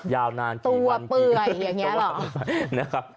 ยาวนานตัวเปื่อยอย่างนี้หรอนะครับ